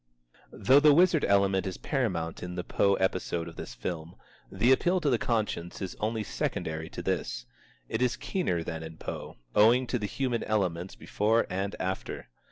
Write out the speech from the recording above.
Though the wizard element is paramount in the Poe episode of this film, the appeal to the conscience is only secondary to this. It is keener than in Poe, owing to the human elements before and after.